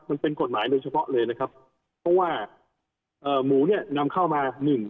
มันเป็นกฎหมายโดยเฉพาะเลยนะครับเพราะว่าเอ่อหมูเนี่ยนำเข้ามาหนึ่ง